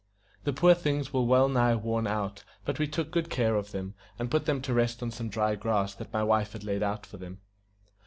The poor things were well nigh worn out; but we took good care of them, and put them to rest on some dry grass that my wife had laid out for them.